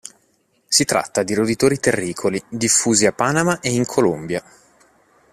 Si tratta di roditori terricoli diffusi a Panama e in Colombia.